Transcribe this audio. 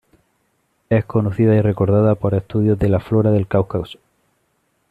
Es conocida y recordada por estudios de la flora del Cáucaso.